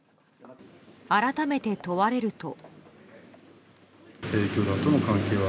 改めて問われると。